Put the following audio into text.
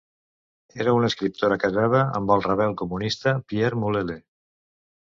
Era una escriptora casada amb el rebel comunista Pierre Mulele.